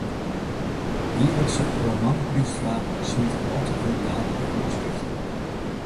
Jierlikse romanpriisfragen smieten altyd wol gaadlike hânskriften op.